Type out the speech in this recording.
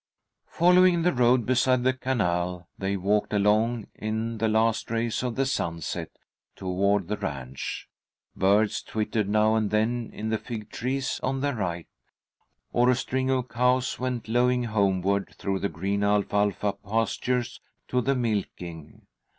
Following the road beside the canal, they walked along in the last rays of the sunset, toward the ranch. Birds twittered now and then in the fig trees on their right, or a string of cows went lowing homeward through the green alfalfa pastures, to the milking.